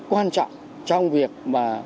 quan trọng trong việc mà